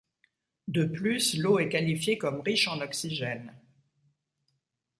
De plus, l'eau est qualifiée comme riche en oxygène.